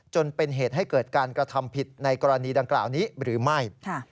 จนเป็นเหตุให้เกิดการกระทำผิดในกรณีดังกล่าวนี้หรือไม่